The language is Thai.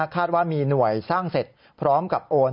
คาดว่ามีหน่วยสร้างเสร็จพร้อมกับโอน